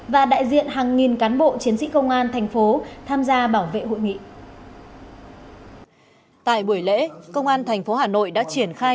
và đại diện hàng nghìn cán bộ chiến sĩ công an tp tham gia bảo vệ hội nghị